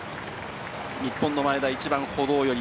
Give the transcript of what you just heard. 日本の前田、一番歩道寄り。